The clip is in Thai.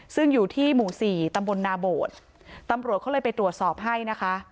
ซึ่งอยู่ที่หมู่สี่ตำบลนาโบดตำรวจเขาเลยไปตรวจสอบให้นะคะ